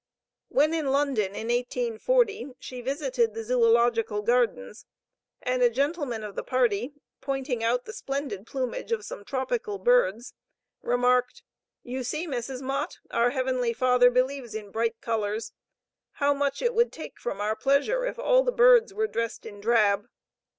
When in London, in 1840, she visited the Zoological Gardens, and a gentleman of the party, pointing out the splendid plumage of some tropical birds, remarked: "You see, Mrs. Mott, our heavenly Father believes in bright colors. How much it would take from our pleasure, if all the birds were dressed in drab."